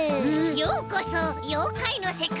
ようこそようかいのせかいへ。